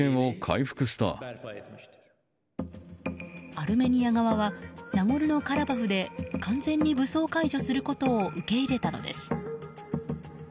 アルメニア側はナゴルノカラバフで完全に武装解除することを受け入れたのです。